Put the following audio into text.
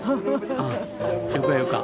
ああよかよか。